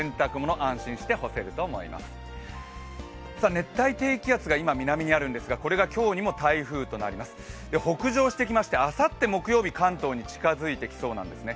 熱帯低気圧が今、南にあるんですがこれが北上してきまして、あさって木曜日関東に近づいてきそうなんですね。